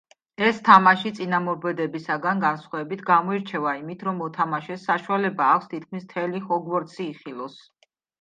ეს თამაში, წინამორბედებისგან განსხვავებით, გამოირჩევა იმით, რომ მოთამაშეს საშუალება აქვს, თითქმის მთელი ჰოგვორტსი იხილოს.